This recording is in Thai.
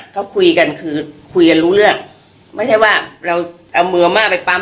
เขาคุยกันคือคุยกันรู้เรื่องไม่ใช่ว่าเราเอามือมาไปปั๊ม